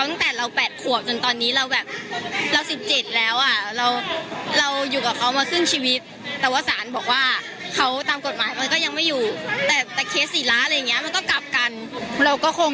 ในเมื่อแบบว่า๘ปีมันทำให้เห็นแล้วว่าเขาไม่มีความมีควรสมัครด้วยกัน